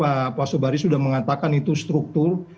yang tadi pak soebaris sudah mengatakan itu struktur